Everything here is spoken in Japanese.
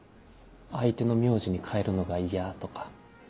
相手の名字に変えるのが嫌とか。